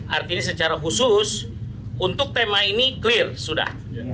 artinya secara khusus untuk tema ini clear sudah